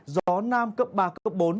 gió nam cấp ba cấp bốn